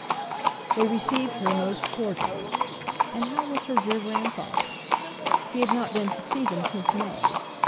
They received her most cordially: And how was her dear grandfather? He had not been to see them since May.